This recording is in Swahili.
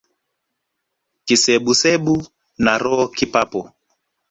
Kisebusebu na roho kipapo